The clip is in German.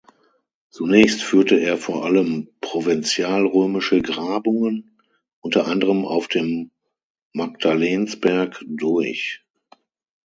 Zunächst führte er vor allem provinzialrömische Grabungen, unter anderem auf dem Magdalensberg, durch.